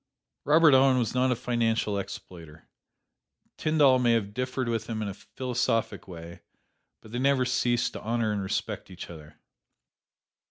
Robert Owen was not a financial exploiter. Tyndall may have differed with him in a philosophic way; but they never ceased to honor and respect each other.